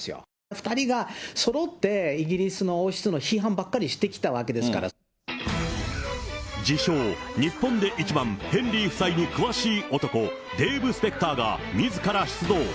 ２人がそろってイギリスの王室の批判ばっかりしてきたわけですか自称、日本で一番ヘンリー夫妻に詳しい男、デーブ・スペクターがみずから出動。